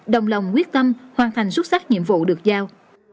đồng lòng quyết tâm hoàn thành xuất sắc nhiệm vụ được giao